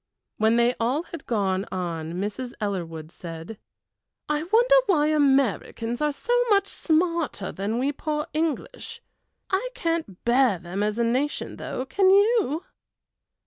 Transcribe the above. When they had all gone on Mrs. Ellerwood said: "I wonder why Americans are so much smarter than we poor English? I can't bear them as a nation though, can you?"